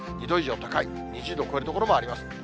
２度以上高い、２０度を超える所もあります。